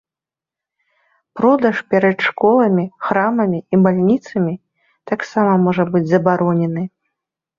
Продаж перад школамі, храмамі і бальніцамі таксама можа быць забаронены.